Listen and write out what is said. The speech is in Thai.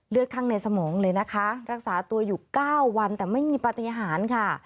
ข้างในสมองเลยนะคะรักษาตัวอยู่๙วันแต่ไม่มีปฏิหารค่ะ